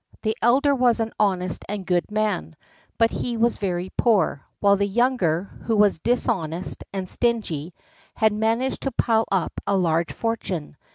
The elder was an honest and good man, but he was very poor, while the younger, who was dishonest and stingy, had managed to pile up a large fortune.